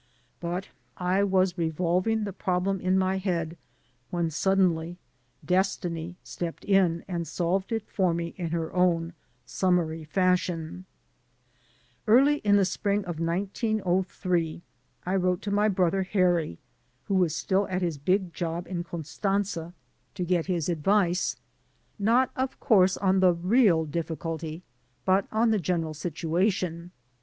But — I was revolving the problem in my head, when suddenly Destiny stepped in and solved it for me in her own summary fashion. Early in the spring of 1903 I wrote to my brother Harry, who was still at his big job in Constantza, to get 162 THE TRAGEDY OP READJUSTMENT his advice — ^not, of course, on the real difficulty, but on the general situation.